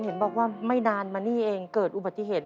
เห็นบอกว่าไม่นานมานี่เองเกิดอุบัติเหตุ